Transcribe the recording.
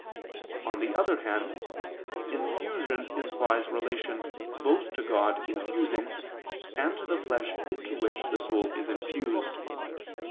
On the other hand, infusion implies relation both to God infusing and to the flesh into which the soul is infused.